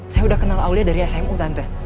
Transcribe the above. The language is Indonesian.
saya udah kenal aulia dari smu tante